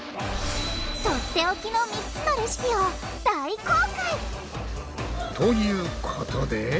とっておきの３つのレシピを大公開！ということで。